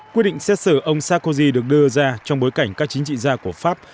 quyết định xét xử ông sarkozy được đưa ra trong bối cảnh các chính trị gia của pháp